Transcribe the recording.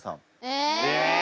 え！